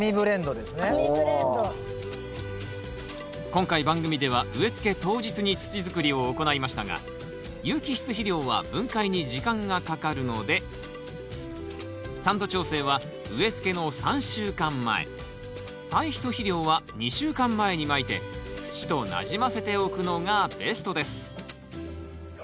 今回番組では植えつけ当日に土づくりを行いましたが有機質肥料は分解に時間がかかるので酸度調整は植えつけの３週間前堆肥と肥料は２週間前にまいて土となじませておくのがベストです。